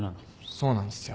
そうなんですよ。